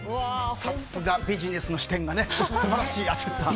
さすが、ビジネスの視点が素晴らしい淳さん。